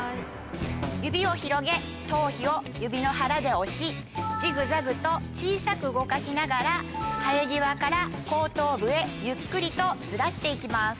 指を広げ頭皮を指の腹で押しジグザグと小さく動かしながら生え際から後頭部へゆっくりとずらして行きます。